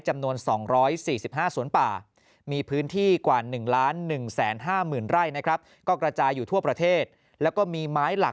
จำนวน๒๔๕สวนป่ามีพื้นที่กว่า๑๑๕๐๐๐๐ไร่